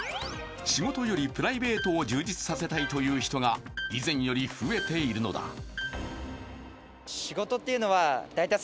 仕事よりプライベートを充実させたいという人が以前より増えているのだ。